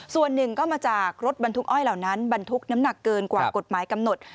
ส่วนหนึ่งก็มาจากรถบรรทุกอ้อยเหล่านั้นบรรทุกน้ำหนักเกินกว่ากฎหมายกำหนด